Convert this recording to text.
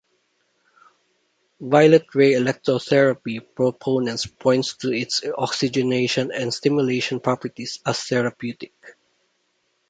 Violet ray electrotherapy proponents point to its oxygenation and stimulation properties as therapeutic.